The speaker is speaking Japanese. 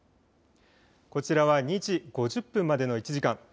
こちらは２時５０分までの１時間。